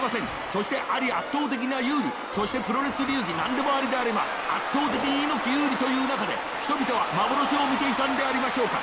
そしてアリ圧倒的な有利そしてプロレス流に何でもありであれば圧倒的猪木有利という中で人々は幻を見ていたんでありましょうか？